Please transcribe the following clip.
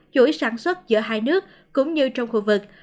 chuỗi sản xuất giữa hai nước cũng như trong khu vực